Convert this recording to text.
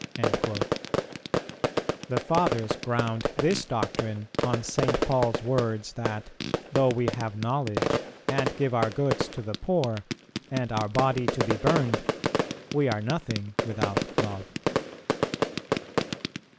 "[270:2] The Fathers ground this doctrine on St. Paul's words that, though we have knowledge, and give our goods to the poor, and our body to be burned, we are nothing without love.